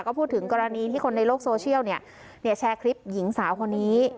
ก็พูดถึงกรณีที่คนในโลกโซเชียลแชร์คลิปหญิงสาวคนนี้